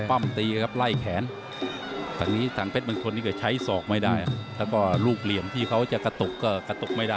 ก็ปั้มตีไล่แขนแต่ตั้งเปชรบังชนที่ก็ใช้ศอกไม่ได้และลูกเหลี่ยมที่เขากระตุกก็กระตุกไม่ได้